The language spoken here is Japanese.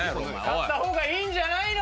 買った方がいいんじゃないの？